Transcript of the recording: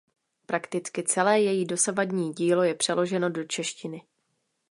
Prakticky celé její dosavadní dílo je přeloženo do češtiny.